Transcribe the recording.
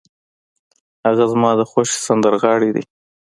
هغه زما د خوښې سندرغاړی دی.